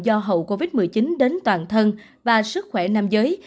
do hậu covid một mươi chín đến toàn thân và sức khỏe nam giới